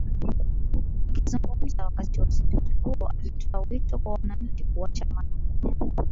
Akizungumza wakati wa uzinduzi huo ametoa wito kwa wananchi kuacha mara moja